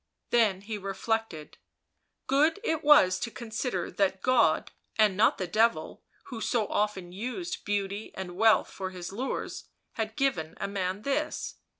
Then he reflected; good it was to consider that God, and not the Devil, who so often used beauty and wealth for his lures, had given a man this.